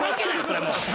それもう。